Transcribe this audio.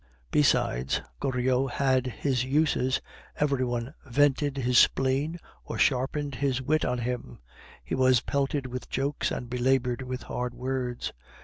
Besides, Goriot had his uses, every one vented his spleen or sharpened his wit on him; he was pelted with jokes and belabored with hard words.